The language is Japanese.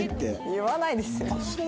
言わないですよ。